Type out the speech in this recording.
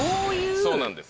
そうなんです。